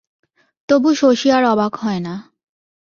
তবু শশী আর অবাক হয় না।